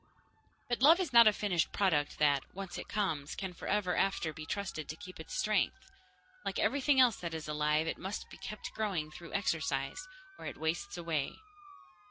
But love is not a finished product that, once it comes, can forever after be trusted to keep its strength. Like everything else that is alive, it must be kept growing through exercise, or it wastes away.